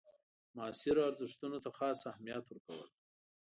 معاصرو ارزښتونو ته خاص اهمیت ورکول.